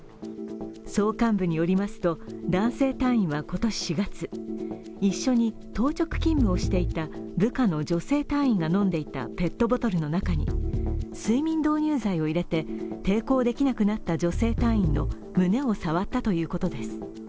総監部によりますと男性隊員は今年４月、一緒に当直勤務をしていた部下の女性隊員が飲んでいたペットボトルの中に睡眠導入剤を入れて、抵抗できなくなった女性隊員の胸を触ったということです。